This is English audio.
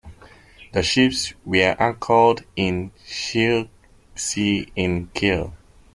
The ships were anchored in Schilksee in Kiel.